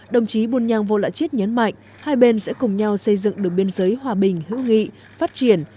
đồng chí bùn nhang vô lạ chít nhấn mạnh hai bên sẽ cùng nhau xây dựng được biên giới hòa bình hữu nghị phát triển